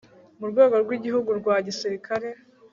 murwego rwigihugu rwa gisirikare